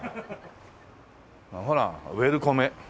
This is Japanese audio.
ほらウェルコメ。